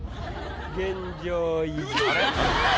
現状維持。